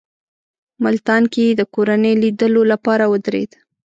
ملتان کې یې د کورنۍ لیدلو لپاره ودرېد.